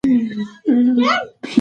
په خپل خیال کي ورڅرګند زرغون جهان سو